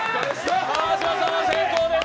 川島さんは成功です。